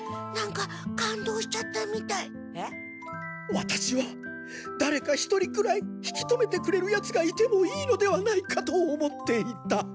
ワタシはだれか一人くらい引き止めてくれるヤツがいてもいいのではないかと思っていた。